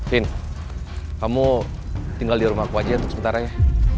fin kamu tinggal di rumahku aja untuk sementaranya